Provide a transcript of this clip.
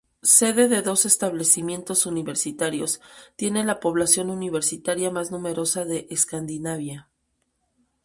Sede de dos establecimientos universitarios, tiene la población universitaria más numerosa de Escandinavia.